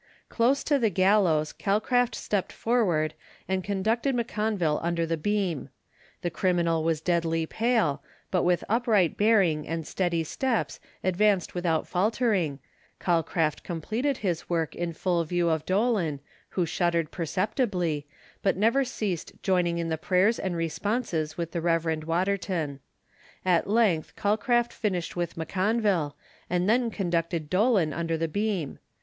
Close to the gallows Calcraft stepped forward and conducted M'Conville under the beam. The criminal was deadly pale, but with upright bearing and steady steps advanced without faltering, Calcraft completed his work in full view of Dolan, who shuddered perceptibly, but never ceased joining in the prayers & responses with the Rev. Waterton. At length Calcraft finished with M'Conville, and then conducted Dolan under the beam.